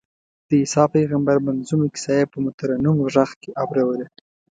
د عیسی پېغمبر منظمومه کیسه یې په مترنم غږ کې اورووله.